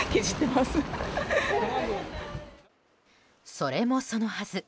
それもそのはず